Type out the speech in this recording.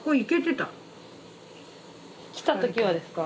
来た時はですか？